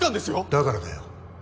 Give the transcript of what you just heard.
だからだよ。